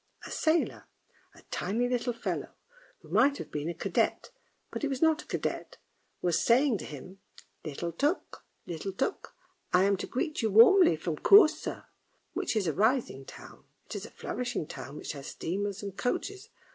A sailor, a tiny little fellow, who might have been a cadet, but he was not a cadet, was saying to him, " Little Tuk! Little Tuk! I am to greet you warmly from Korsoer," which is a rising town. It is a flourishing town, which has steamers and coaches.